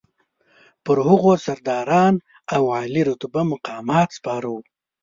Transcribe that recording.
پر هغو سرداران او عالي رتبه مقامات سپاره وو.